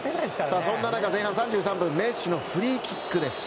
そんな中、前半３３分メッシのフリーキックです。